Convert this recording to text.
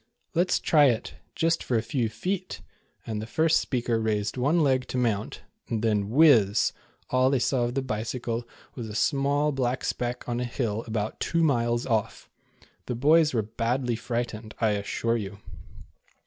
" Let 's try it, just for a few feet," and the first speaker raised one leg to mount, when, whizz, all they saw of the Bicycle was a small black speck on a hill about two miles off! The boys were badly frightened, I assure you.